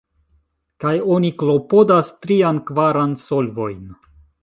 Kaj oni klopodas trian, kvaran solvojn.